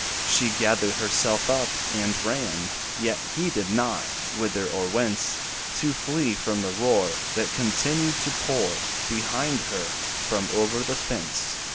She gathered herself up, and ran, Yet heeded not whither or whence, To flee from the roar, That continued to pour Behind her, from over the fence.